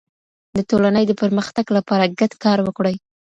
د ټولني د پرمختګ لپاره ګډ کار وکړئ.